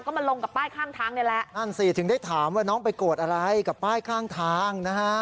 ก็มาลงกับป้ายข้างทางนี่แหละนั่นสิถึงได้ถามว่าน้องไปโกรธอะไรกับป้ายข้างทางนะฮะ